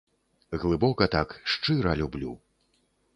Глыбока так, шчыра люблю.